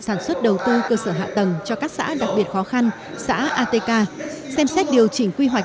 sản xuất đầu tư cơ sở hạ tầng cho các xã đặc biệt khó khăn xã atk xem xét điều chỉnh quy hoạch